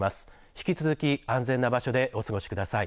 引き続き安全な場所でお過ごしください。